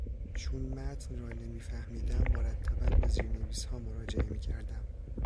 چون متن را نمی فهمیدم مرتبا به زیرنویسها مراجعه میکردم.